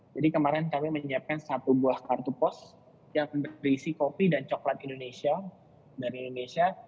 jadi kemarin kami menyiapkan satu buah kartu pos yang berisi kopi dan coklat indonesia